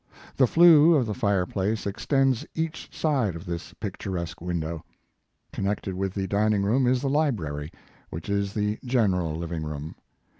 The flue of the fireplace extends each side of this picturesque window. Con nected with the dining room is the library, which is the general living room.